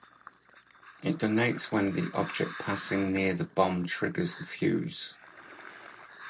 It detonates when an object passing near the bomb triggers the fuze.